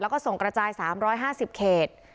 แล้วก็ส่งกระจาย๓๕๐เขต